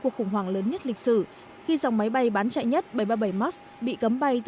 cuộc khủng hoảng lớn nhất lịch sử khi dòng máy bay bán chạy nhất bảy trăm ba mươi bảy mark ii bị cấm bay